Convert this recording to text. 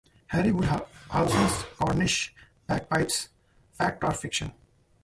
Harry Woodhouse's Cornish Bagpipes: Fact or Fiction?